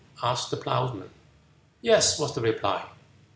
asked the ploughman. "Yes," was the reply.